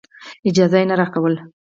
اجازه یې نه راکوله.